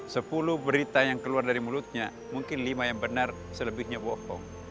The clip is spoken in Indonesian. sepuluh berita yang keluar dari mulutnya mungkin lima yang benar selebihnya bohong